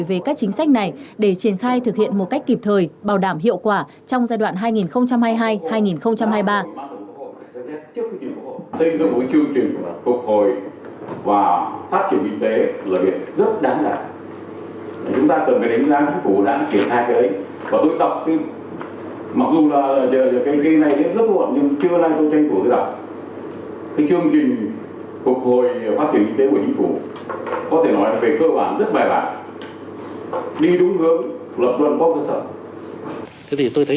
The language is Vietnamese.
về các chính sách này để triển khai thực hiện một cách kịp thời bảo đảm hiệu quả trong giai đoạn hai nghìn hai mươi hai hai nghìn hai mươi ba